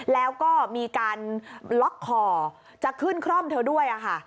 แล้วก็มีการล็อกคอจะขึ้นคร่อมเธอด้วยค่ะ